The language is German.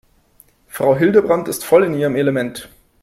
Frau Hildebrand ist voll in ihrem Element.